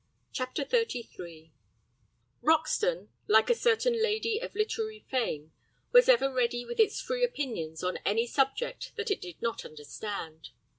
CHAPTER XXXIII Roxton, like a certain lady of literary fame, was ever ready with its free opinions on any subject that it did not understand.